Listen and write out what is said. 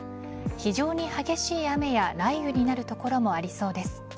非常に激しい雨や雷雨になる所もありそうです。